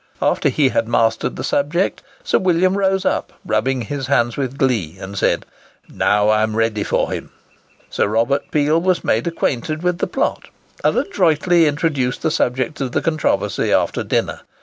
After he had mastered the subject, Sir William rose up, rubbing his hands with glee, and said, "Now I am ready for him." Sir Robert Peel was made acquainted with the plot, and adroitly introduced the subject of the controversy after dinner.